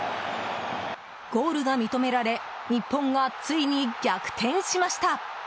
ゴールが認められ日本がついに逆転しました。